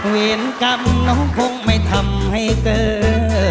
เวรกรรมน้องคงไม่ทำให้เกิด